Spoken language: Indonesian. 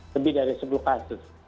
lebih dari sepuluh kasus